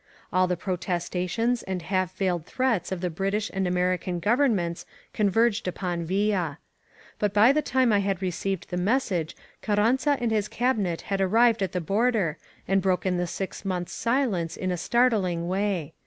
All the protestations and half veiled threats of the British and American goTemments con Terged opon Villa. But by the time I had receiTed the message Carranza and his Cabinet had arrired at the Border and broken the six months* silence in a startling way.